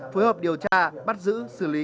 phối hợp điều tra bắt giữ xử lý